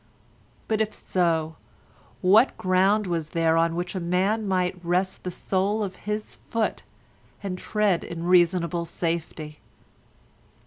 But if so, what ground was there on which a man might rest the sole of his foot and tread in reasonable safety?